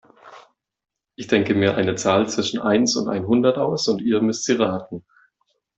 Ich denke mir eine Zahl zwischen eins und einhundert aus und ihr müsst sie raten.